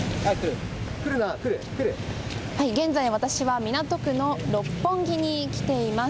現在、私は港区の六本木に来ています。